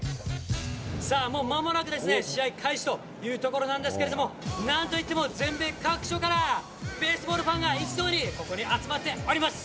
さあ、もうまもなくですね、試合開始というところなんですけれども、なんといっても全米各所からベースボールファンが一堂にここに集まっております。